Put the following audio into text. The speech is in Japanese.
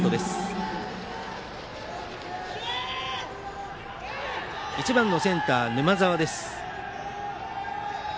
バッターは１番のセンター沼澤です。